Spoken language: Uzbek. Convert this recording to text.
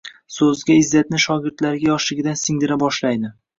So‘zga izzatni shogirdlariga yoshligidan singdira boshlaydi.